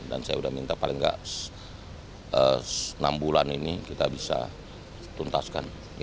saya sudah minta paling nggak enam bulan ini kita bisa tuntaskan